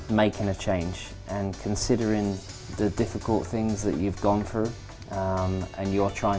dan mengingatkan hal hal yang sulit yang anda lalui dan anda mencoba untuk membantu orang lain